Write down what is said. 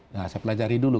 saya pelajari dulu